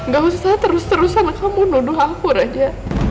gak usah terus terusan kamu nuduh aku raja